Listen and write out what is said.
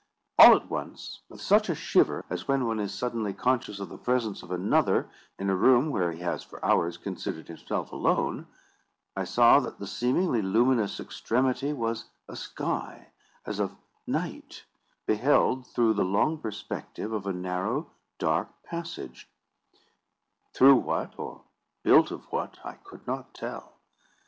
All at once, with such a shiver as when one is suddenly conscious of the presence of another in a room where he has, for hours, considered himself alone, I saw that the seemingly luminous extremity was a sky, as of night, beheld through the long perspective of a narrow, dark passage, through what, or built of what, I could not tell.